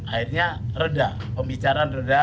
akhirnya reda pembicaraan reda